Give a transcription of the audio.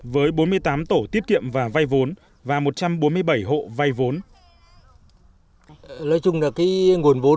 với bốn mươi tám tổ tiết kiệm và vay vốn và một trăm bốn mươi bảy hộ vay vốn